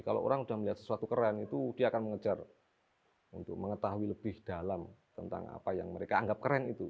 kalau orang sudah melihat sesuatu keren itu dia akan mengejar untuk mengetahui lebih dalam tentang apa yang mereka anggap keren itu